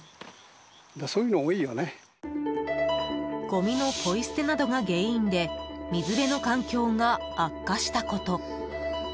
ごみのポイ捨てなどが原因で水辺の環境が悪化したこと。